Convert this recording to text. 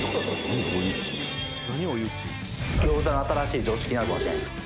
「餃子の新しい常識になるかもしれないです」